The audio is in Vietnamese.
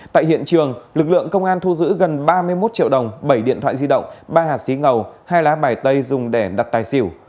tại hiện trường lực lượng công an thu giữ gần ba mươi một triệu đồng bảy điện thoại di động ba hạt xí ngầu hai lá bài tay dùng để đặt tài xỉu